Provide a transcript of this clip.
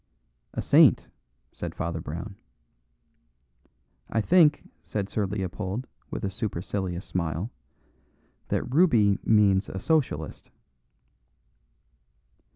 "A saint," said Father Brown. "I think," said Sir Leopold, with a supercilious smile, "that Ruby means a Socialist."